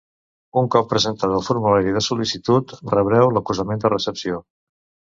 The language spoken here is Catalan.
Un cop presentat el formulari de sol·licitud rebreu l'acusament de recepció.